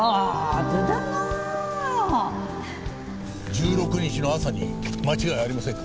１６日の朝に間違いありませんか？